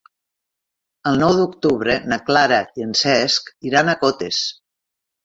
El nou d'octubre na Clara i en Cesc iran a Cotes.